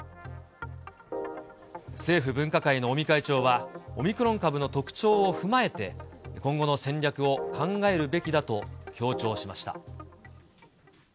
政府分科会の尾身会長は、オミクロン株の特徴を踏まえて、今後の戦略を考えるべきだと強調しました。